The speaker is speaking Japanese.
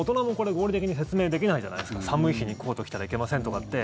合理的に説明できないじゃないですか寒い日にコート着たらいけませんとかって。